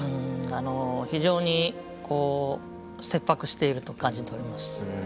あの非常にこう切迫していると感じております。